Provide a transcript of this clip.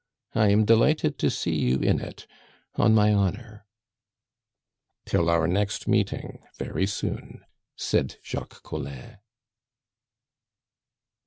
I am delighted to see you in it on my honor " "Till our next meeting, very soon," said Jacques Collin.